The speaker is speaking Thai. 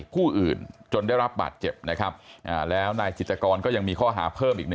ผู้อื่นจนได้รับบาดเจ็บนะครับแล้วนายจิตกรก็ยังมีข้อหาเพิ่มอีก๑